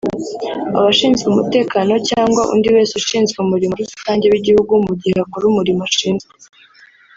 abashinzwe umutekano cyangwa undi wese ushinzwe umurimo rusange w’igihugu mu gihe akora umurimo ashinzwe